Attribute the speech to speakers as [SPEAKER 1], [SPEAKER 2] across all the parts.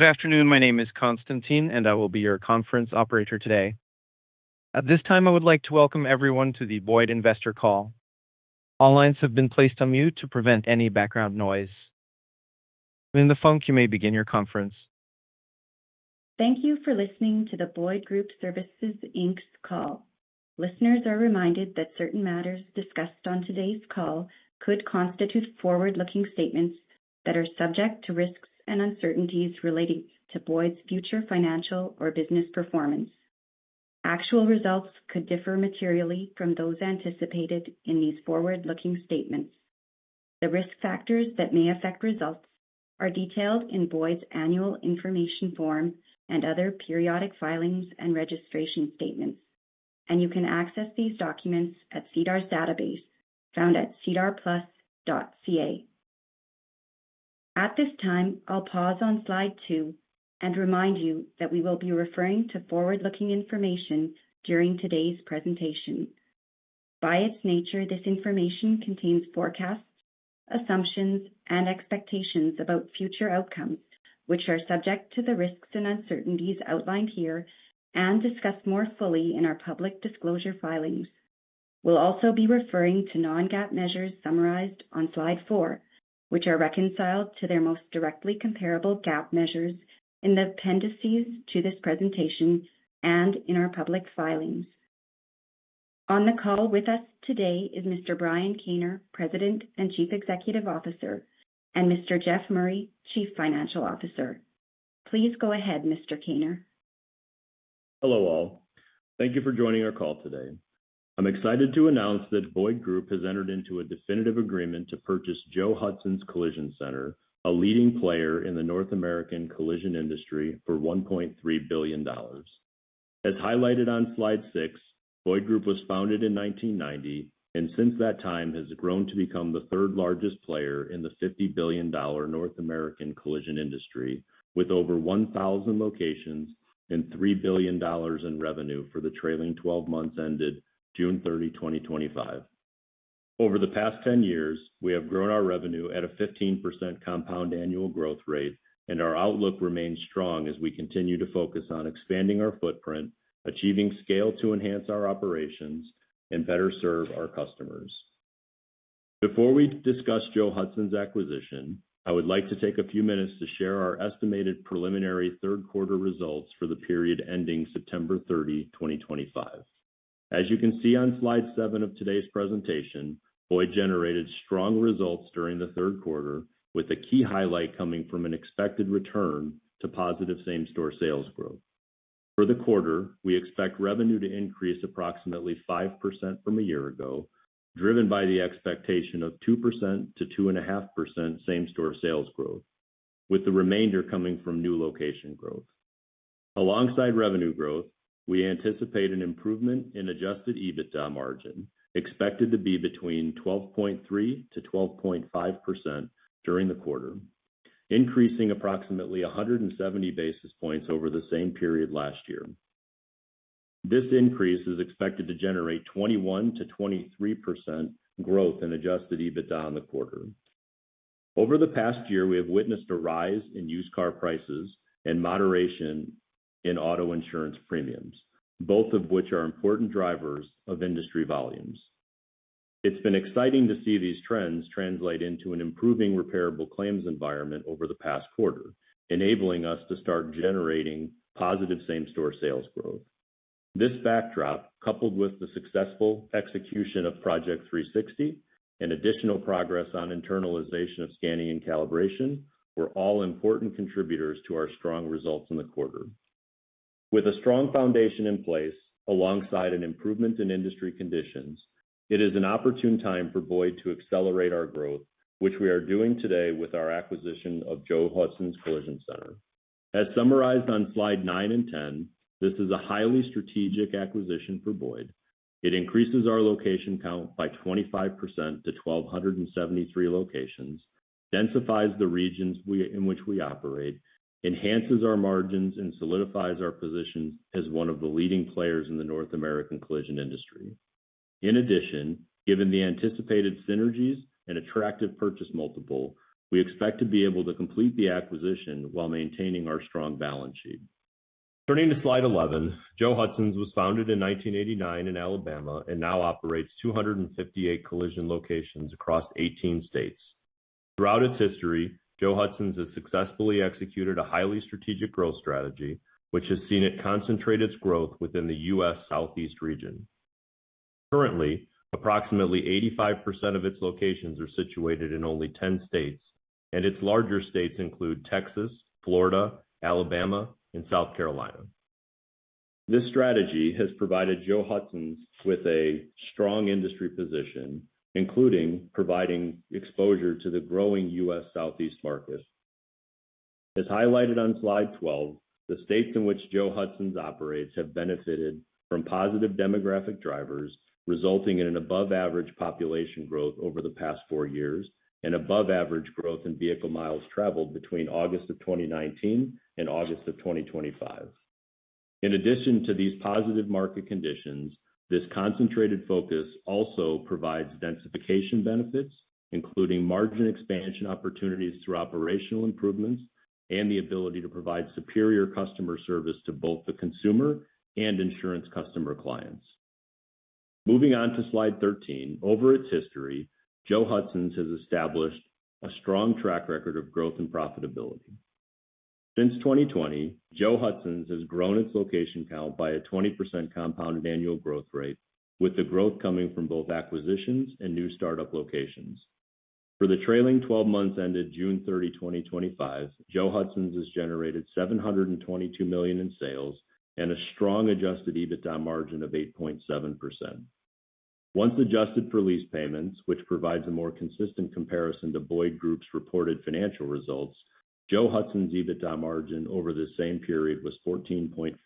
[SPEAKER 1] Good afternoon, my name is Konstantin, and I will be your conference operator today. At this time, I would like to welcome everyone to the Boyd investor call. All lines have been placed on mute to prevent any background noise. At this time, you may begin your conference.
[SPEAKER 2] Thank you for listening to the Boyd Group Services Inc.'s call. Listeners are reminded that certain matters discussed on today's call could constitute forward-looking statements that are subject to risks and uncertainties relating to Boyd's future financial or business performance. Actual results could differ materially from those anticipated in these forward-looking statements. The risk factors that may affect results are detailed in Boyd's Annual Information Form and other periodic filings and registration statements, and you can access these documents at SEDAR+'s database found at sedarplus.ca. At this time, I'll pause on Slide 2 and remind you that we will be referring to forward-looking information during today's presentation. By its nature, this information contains forecasts, assumptions, and expectations about future outcomes, which are subject to the risks and uncertainties outlined here and discussed more fully in our public disclosure filings. We'll also be referring to non-GAAP measures summarized on Slide 4, which are reconciled to their most directly comparable GAAP measures in the appendices to this presentation and in our public filings. On the call with us today is Mr. Brian Kaner, President and Chief Executive Officer, and Mr. Jeff Murray, Chief Financial Officer. Please go ahead, Mr. Kaner.
[SPEAKER 3] Hello all. Thank you for joining our call today. I'm excited to announce that Boyd Group has entered into a definitive agreement to purchase Joe Hudson's Collision Center, a leading player in the North American collision industry, for $1.3 billion. As highlighted on Slide 6, Boyd Group was founded in 1990 and since that time has grown to become the third largest player in the $50 billion North American collision industry, with over 1,000 locations and $3 billion in revenue for the trailing 12 months ended June 30, 2025. Over the past 10 years, we have grown our revenue at a 15% compound annual growth rate, and our outlook remains strong as we continue to focus on expanding our footprint, achieving scale to enhance our operations, and better serve our customers. Before we discuss Joe Hudson's acquisition, I would like to take a few minutes to share our estimated preliminary third-quarter results for the period ending September 30, 2025. As you can see on Slide 7 of today's presentation, Boyd generated strong results during the third quarter, with a key highlight coming from an expected return to positive same-store sales growth. For the quarter, we expect revenue to increase approximately 5% from a year ago, driven by the expectation of 2%-2.5% same-store sales growth, with the remainder coming from new location growth. Alongside revenue growth, we anticipate an improvement in Adjusted EBITDA margin, expected to be between 12.3%-12.5% during the quarter, increasing approximately 170 basis points over the same period last year. This increase is expected to generate 21%-23% growth in Adjusted EBITDA in the quarter. Over the past year, we have witnessed a rise in used car prices and moderation in auto insurance premiums, both of which are important drivers of industry volumes. It's been exciting to see these trends translate into an improving repairable claims environment over the past quarter, enabling us to start generating positive same-store sales growth. This backdrop, coupled with the successful execution of Project 360 and additional progress on internalization of scanning and calibration, were all important contributors to our strong results in the quarter. With a strong foundation in place alongside an improvement in industry conditions, it is an opportune time for Boyd to accelerate our growth, which we are doing today with our acquisition of Joe Hudson's Collision Center. As summarized on Slide 9 and 10, this is a highly strategic acquisition for Boyd. It increases our location count by 25% to 1,273 locations, densifies the regions in which we operate, enhances our margins, and solidifies our positions as one of the leading players in the North American collision industry. In addition, given the anticipated synergies and attractive purchase multiple, we expect to be able to complete the acquisition while maintaining our strong balance sheet. Turning to Slide 11, Joe Hudson's was founded in 1989 in Alabama and now operates 258 collision locations across 18 states. Throughout its history, Joe Hudson's has successfully executed a highly strategic growth strategy, which has seen it concentrate its growth within the U.S. Southeast region. Currently, approximately 85% of its locations are situated in only 10 states, and its larger states include Texas, Florida, Alabama, and South Carolina. This strategy has provided Joe Hudson's with a strong industry position, including providing exposure to the growing U.S. Southeast market. As highlighted on Slide 12, the states in which Joe Hudson's operates have benefited from positive demographic drivers, resulting in an above-average population growth over the past four years and above-average growth in vehicle miles traveled between August of 2019 and August of 2025. In addition to these positive market conditions, this concentrated focus also provides densification benefits, including margin expansion opportunities through operational improvements and the ability to provide superior customer service to both the consumer and insurance customer clients. Moving on to Slide 13, over its history, Joe Hudson's has established a strong track record of growth and profitability. Since 2020, Joe Hudson's has grown its location count by a 20% compound annual growth rate, with the growth coming from both acquisitions and new startup locations. For the trailing 12 months ended June 30, 2025, Joe Hudson's has generated $722 million in sales and a strong Adjusted EBITDA margin of 8.7%. Once adjusted for lease payments, which provides a more consistent comparison to Boyd Group's reported financial results, Joe Hudson's EBITDA margin over the same period was 14.4%.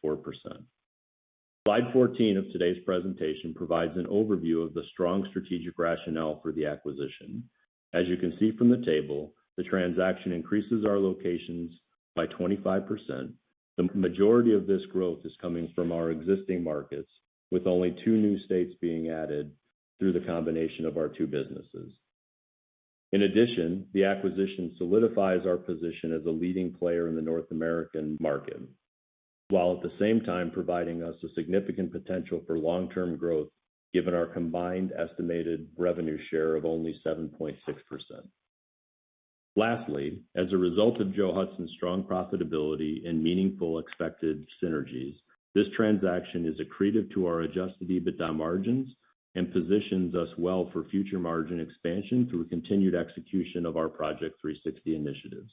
[SPEAKER 3] Slide 14 of today's presentation provides an overview of the strong strategic rationale for the acquisition. As you can see from the table, the transaction increases our locations by 25%. The majority of this growth is coming from our existing markets, with only two new states being added through the combination of our two businesses. In addition, the acquisition solidifies our position as a leading player in the North American market, while at the same time providing us a significant potential for long-term growth, given our combined estimated revenue share of only 7.6%. Lastly, as a result of Joe Hudson's strong profitability and meaningful expected synergies, this transaction is accretive to our Adjusted EBITDA margins and positions us well for future margin expansion through continued execution of our Project 360 initiatives.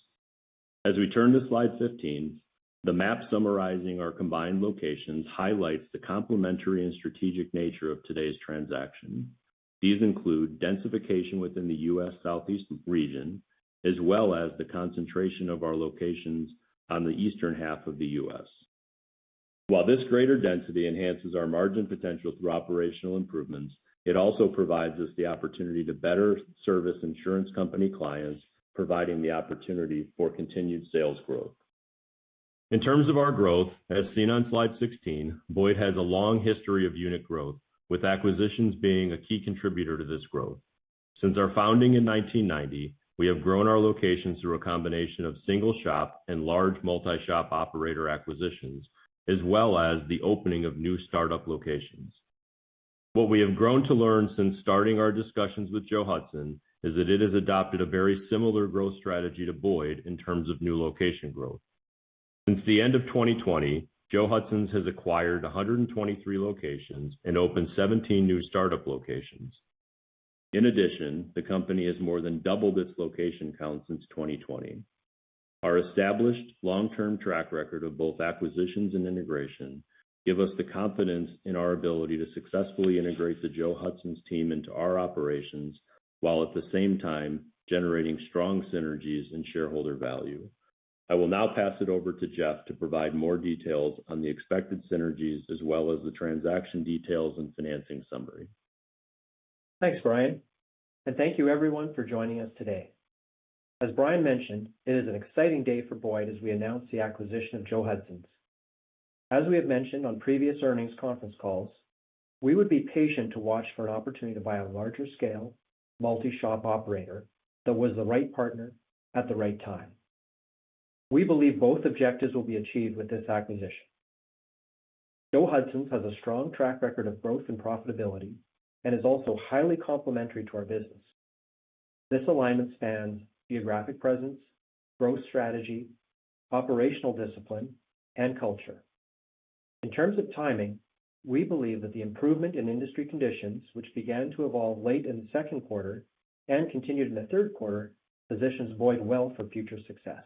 [SPEAKER 3] As we turn to Slide 15, the map summarizing our combined locations highlights the complementary and strategic nature of today's transaction. These include densification within the U.S. Southeast region, as well as the concentration of our locations on the eastern half of the U.S. While this greater density enhances our margin potential through operational improvements, it also provides us the opportunity to better service insurance company clients, providing the opportunity for continued sales growth. In terms of our growth, as seen on Slide 16, Boyd has a long history of unit growth, with acquisitions being a key contributor to this growth. Since our founding in 1990, we have grown our locations through a combination of single-shop and large multi-shop operator acquisitions, as well as the opening of new startup locations. What we have grown to learn since starting our discussions with Joe Hudson's is that it has adopted a very similar growth strategy to Boyd in terms of new location growth. Since the end of 2020, Joe Hudson's has acquired 123 locations and opened 17 new startup locations. In addition, the company has more than doubled its location count since 2020. Our established long-term track record of both acquisitions and integration gives us the confidence in our ability to successfully integrate the Joe Hudson's team into our operations while at the same time generating strong synergies and shareholder value. I will now pass it over to Jeff to provide more details on the expected synergies as well as the transaction details and financing summary.
[SPEAKER 4] Thanks, Brian. And thank you, everyone, for joining us today. As Brian mentioned, it is an exciting day for Boyd as we announce the acquisition of Joe Hudson's. As we have mentioned on previous earnings conference calls, we would be patient to watch for an opportunity to buy a larger-scale multi-shop operator that was the right partner at the right time. We believe both objectives will be achieved with this acquisition. Joe Hudson's has a strong track record of growth and profitability and is also highly complementary to our business. This alignment spans geographic presence, growth strategy, operational discipline, and culture. In terms of timing, we believe that the improvement in industry conditions, which began to evolve late in the second quarter and continued in the third quarter, positions Boyd well for future success.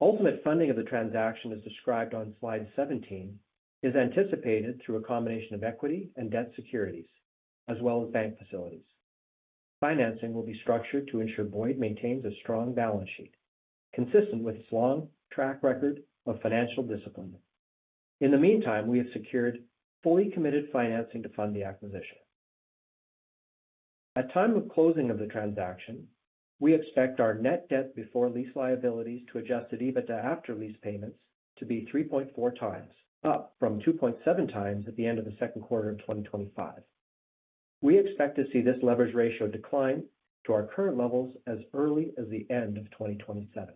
[SPEAKER 4] Ultimate funding of the transaction, as described on Slide 17, is anticipated through a combination of equity and debt securities, as well as bank facilities. Financing will be structured to ensure Boyd maintains a strong balance sheet, consistent with its long track record of financial discipline. In the meantime, we have secured fully committed financing to fund the acquisition. At the time of closing of the transaction, we expect our net debt before lease liabilities to Adjusted EBITDA after lease payments to be 3.4x, up from 2.7x at the end of the second quarter of 2025. We expect to see this leverage ratio decline to our current levels as early as the end of 2027.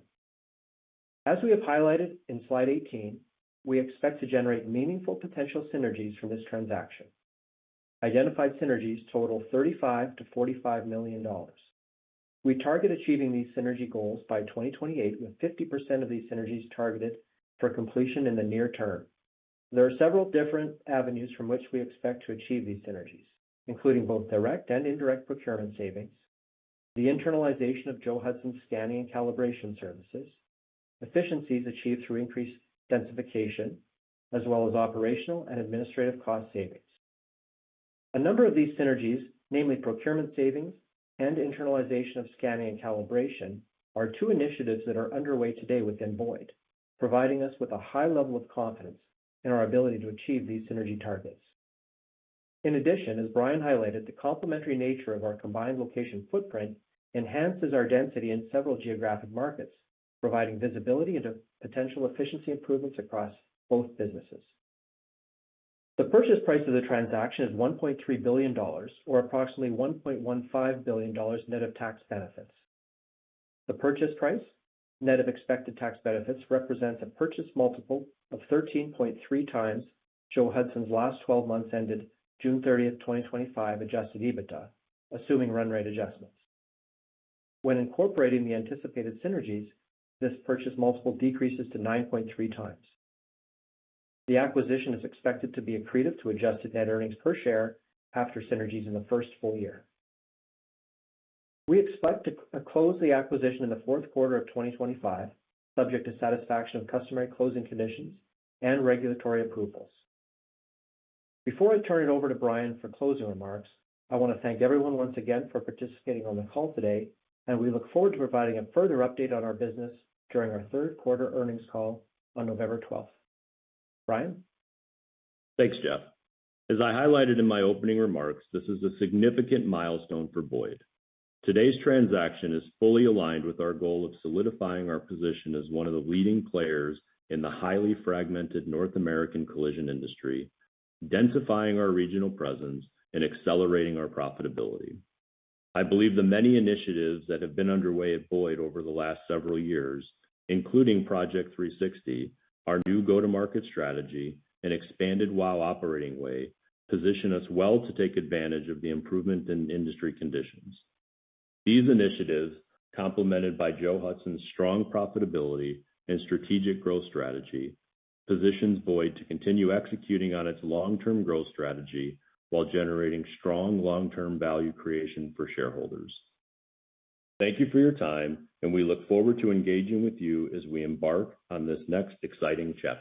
[SPEAKER 4] As we have highlighted in Slide 18, we expect to generate meaningful potential synergies from this transaction. Identified synergies total $35-$45 million. We target achieving these synergy goals by 2028, with 50% of these synergies targeted for completion in the near term. There are several different avenues from which we expect to achieve these synergies, including both direct and indirect procurement savings, the internalization of Joe Hudson's scanning and calibration services, efficiencies achieved through increased densification, as well as operational and administrative cost savings. A number of these synergies, namely procurement savings and internalization of scanning and calibration, are two initiatives that are underway today within Boyd, providing us with a high level of confidence in our ability to achieve these synergy targets. In addition, as Brian highlighted, the complementary nature of our combined location footprint enhances our density in several geographic markets, providing visibility into potential efficiency improvements across both businesses. The purchase price of the transaction is $1.3 billion, or approximately $1.15 billion net of tax benefits. The purchase price net of expected tax benefits represents a purchase multiple of 13.3x Joe Hudson's last 12 months ended June 30, 2025, Adjusted EBITDA, assuming run rate adjustments. When incorporating the anticipated synergies, this purchase multiple decreases to 9.3x. The acquisition is expected to be accretive to Adjusted Net Earnings per Share after synergies in the first full year. We expect to close the acquisition in the fourth quarter of 2025, subject to satisfaction of customary closing conditions and regulatory approvals. Before I turn it over to Brian for closing remarks, I want to thank everyone once again for participating on the call today, and we look forward to providing a further update on our business during our third quarter earnings call on November 12th. Brian?
[SPEAKER 3] Thanks, Jeff. As I highlighted in my opening remarks, this is a significant milestone for Boyd. Today's transaction is fully aligned with our goal of solidifying our position as one of the leading players in the highly fragmented North American collision industry, densifying our regional presence, and accelerating our profitability. I believe the many initiatives that have been underway at Boyd over the last several years, including Project 360, our new go-to-market strategy, and expanded WOW Operating Way, position us well to take advantage of the improvement in industry conditions. These initiatives, complemented by Joe Hudson's strong profitability and strategic growth strategy, position Boyd to continue executing on its long-term growth strategy while generating strong long-term value creation for shareholders. Thank you for your time, and we look forward to engaging with you as we embark on this next exciting chapter.